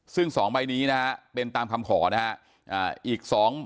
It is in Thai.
ซึ่ง๒ใบนี้นะฮะเป็นตามคำขอนะฮะอีก๒ใบ